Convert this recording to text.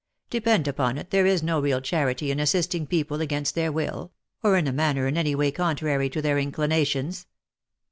Depend upon it there is no real charity in assisting people against their will, or in a manner in any way contrary to their inclinations.